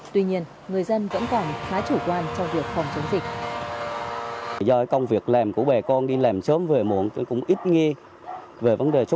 tuy nhiên người dân vẫn còn khá chủ quan trong việc phòng chống dịch